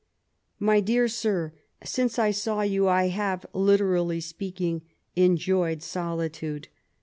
Mt dbab Sib, — Since I saw you I haye, literally speaking, enjoyed solitude.